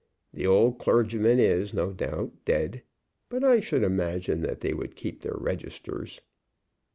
The old clergyman is, no doubt, dead, but I should imagine that they would keep their registers."